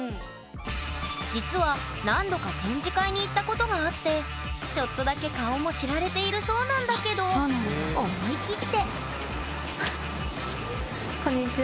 実は何度か展示会に行ったことがあってちょっとだけ顔も知られているそうなんだけど思い切ってこんにちは。